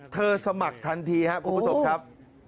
สมัครทันทีครับคุณผู้ชมครับ